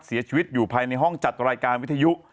เสียชีวิตอยู่ภายในห้องจัดรายการวิทยุ